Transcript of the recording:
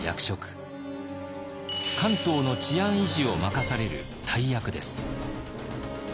関東の治安維持を任される大役です。